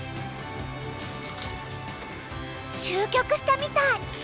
終局したみたい。